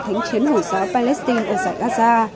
thánh chiến hồi giáo palestine ở giải gaza